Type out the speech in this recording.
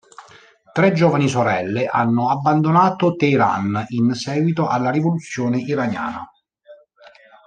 Tre giovani sorelle hanno abbandonato Teheran in seguito alla rivoluzione iraniana.